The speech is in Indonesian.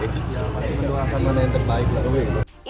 ya pasti mendoakan mana yang terbaik lah